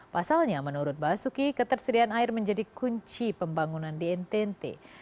pasalnya menurut basuki ketersediaan air menjadi kunci pembangunan di ntt